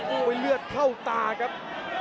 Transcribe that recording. โอ้โหเลือดเข้าตาครับ